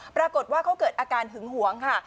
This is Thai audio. ปรากฏว่าเขาเกิดอาการหึงหวงค่ะ